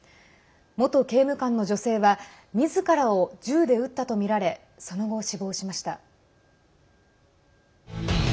元刑務官の女性はみずからを銃で撃ったとみられその後、死亡しました。